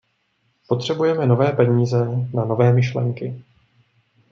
Potřebujeme nové peníze na nové myšlenky.